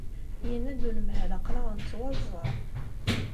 Yenna-d unemhal aql-aɣ nettwaẓẓeɛ.